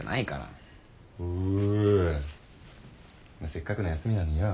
せっかくの休みなのによ